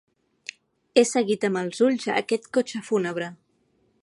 He seguit amb els ulls aquest cotxe fúnebre.